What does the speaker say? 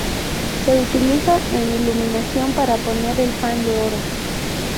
Se utiliza en iluminación para poner el pan de oro.